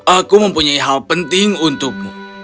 aku mempunyai hal penting untukmu